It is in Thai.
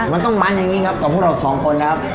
มันต้องมันอย่างนี้ครับกับพวกเราสองคนนะครับ